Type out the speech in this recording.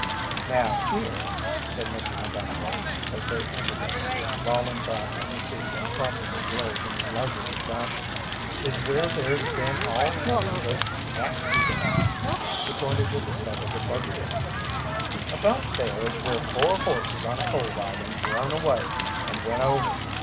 "Now, here," said Mr. McGonnigle, as they entered it, lolling back in the seat and crossing his legs in leisurely fashion, "is where there's been all kinds of accee dents." He pointed with the stub of a buggy whip: "About there is where four horses on a coal wagon run away and went over.